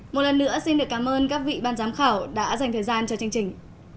một lần nữa xin được cảm ơn các vị ban giám khảo đã dành thời gian cho chương trình